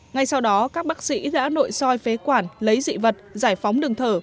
ngay sau đó các bác sĩ đã nội soi phế quản lấy dị vật giải phóng đường thở